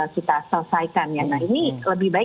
kita selesaikan ya nah ini lebih baik